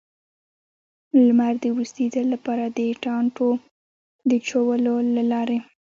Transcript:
لمر د وروستي ځل لپاره، د ټانټو د چولو له لارې.